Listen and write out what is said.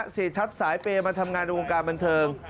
เสียชัดสายเปย์มาทำงานในวงการบันเทิง